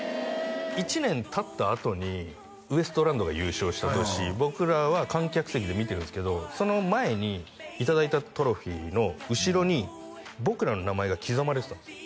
１年たったあとにウエストランドが優勝した年僕らは観客席で見てるんですけどその前にいただいたトロフィーの後ろに僕らの名前が刻まれてたんですよ